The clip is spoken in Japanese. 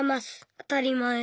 あたりまえ。